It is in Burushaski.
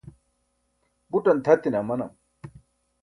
buṭan tʰatine amanam